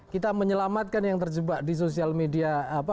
kita menyelamatkan yang terjebak di sosial media